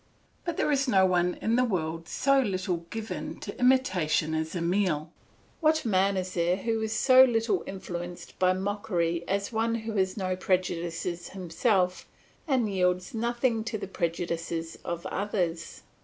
But there is no one in the whole world so little given to imitation as Emile. What man is there who is so little influenced by mockery as one who has no prejudices himself and yields nothing to the prejudices of others.